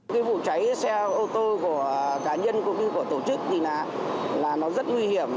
cái vụ cháy xe ô tô của cá nhân cũng như của tổ chức thì là nó rất nguy hiểm